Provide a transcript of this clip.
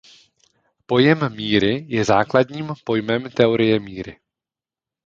Pojem míry je základním pojmem teorie míry.